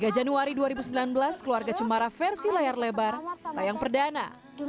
tiga januari dua ribu sembilan belas keluarga cemara versi layar lebar tayang perdana